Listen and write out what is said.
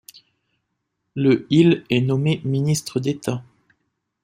Le il est nommé ministre d'État.